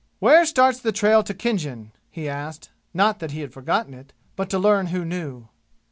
"Where starts the trail to Khinjan?" he asked; not that he had forgotten it, but to learn who knew.